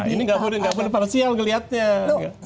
ini nggak pun parsial ngelihatnya